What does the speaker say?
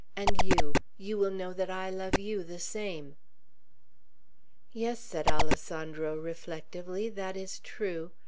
And you, you will know that I love you, the same." "Yes," said Alessandro, reflectively, "that is true.